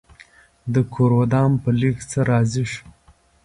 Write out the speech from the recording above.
ده کور ودان په لږ څه راضي شو.